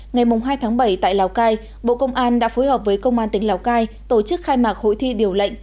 ngày hai tháng bảy tại lào cai bộ công an đã phối hợp với công an tỉnh lào cai tổ chức khai mạc hội thi điều lệnh